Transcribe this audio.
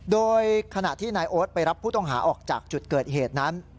โดยขณะที่นายโอ๊ตไปรับผู้ต้องหาออกจากจุดเกิดเหตุนั้น